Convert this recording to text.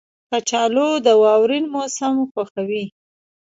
کچالو د واورین موسم خوښوي